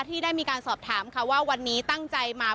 ที่ได้มีการสอบถามค่ะว่าวันนี้ตั้งใจมา